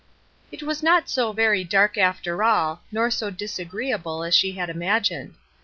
It was not so very dark after all, nor so disagreeable as she had imagined.